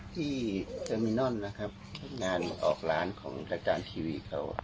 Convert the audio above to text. ที่เตอร์มินนอลหนังออกล้านเหลือรายการทีวีเขา